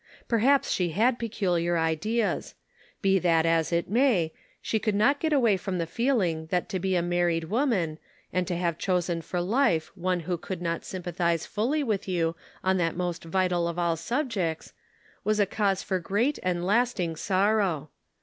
Perhaps she had peculiar ideas. Be that as it may, she could not get away from the feeling that to be a married woman, and to have chosen for life one who could not sym pathize fully with you on that most vital of all subjects, was a cause for great and lasting sorrow.